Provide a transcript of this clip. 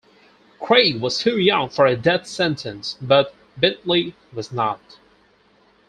Craig was too young for a death sentence, but Bentley was not.